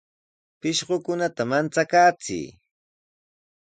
Pishqukunata manchakaachiy.